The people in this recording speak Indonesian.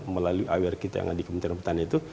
melalui awal kita yang ada di kementerian petani itu